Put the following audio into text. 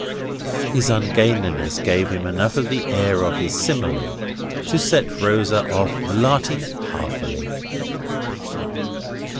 His ungainliness gave him enough of the air of his simile to set Rosa off laughing heartily.